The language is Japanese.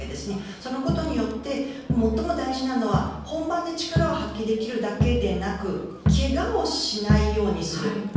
そのことによって最も大事なのは本番で力を発揮できるだけでなく要は、けがをしないようにする。